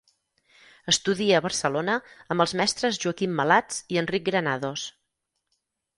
Estudia a Barcelona amb els mestres Joaquim Malats i Enric Granados.